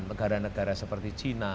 negara negara seperti china